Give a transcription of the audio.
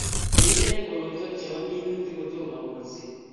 Kirinde korotwek Chebo minutik kutomo kolset